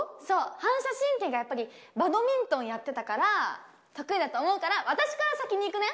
そう反射神経がやっぱりバドミントンやってたから得意だと思うからオッケー！